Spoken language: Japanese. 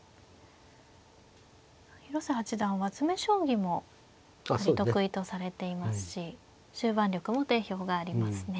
広瀬八段は詰め将棋も得意とされていますし終盤力も定評がありますね。